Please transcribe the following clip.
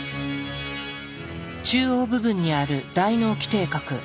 中央部分にある大脳基底核。